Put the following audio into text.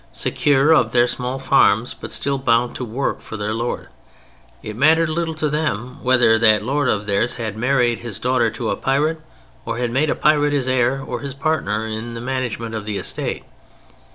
Secure of their small farms, but still bound to work for their lord, it mattered little to them whether that lord of theirs had married his daughter to a pirate or had made a pirate his heir or his partner in the management of the estate.